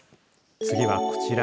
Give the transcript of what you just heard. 次はこちら。